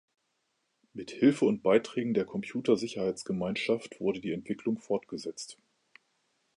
Mit Hilfe und Beiträgen der Computersicherheitsgemeinschaft wurde die Entwicklung fortgesetzt.